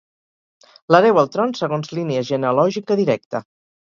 L'hereu al tron segons línia genealògica directa.